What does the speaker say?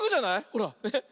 ほらね。